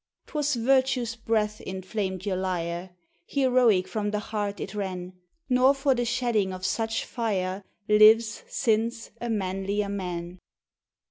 'Twas virtue's breath inflamed your lyre; Heroic from the heart it ran; Nor for the shedding of such fire Lives, since, a manlier man.